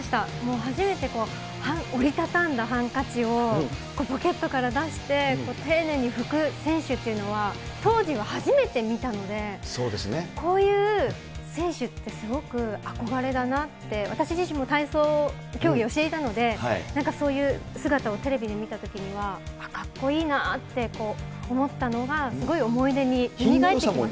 初めて、折り畳んだハンカチを、ポケットから出して、丁寧に拭く選手っていうのは、当時は初めて見たので、こういう選手って、すごく憧れだなって、私自身も体操競技をしていたので、なんかそういう姿をテレビで見たときには、かっこいいなって、思ったのがすごい思い出によみがえってきます。